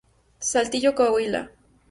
Saltillo, Coahuila.